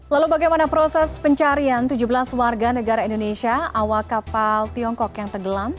lalu bagaimana proses pencarian tujuh belas warga negara indonesia awak kapal tiongkok yang tenggelam